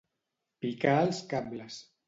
Picar els cables.